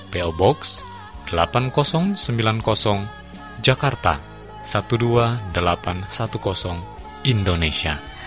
po box delapan ribu sembilan puluh jakarta dua belas ribu delapan ratus sepuluh indonesia